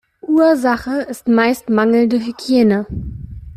Ursache ist meist mangelnde Hygiene.